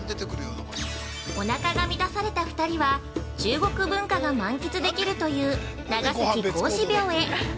◆お腹が満たされた２人は中国文化が満喫できるという長崎孔子廟へ。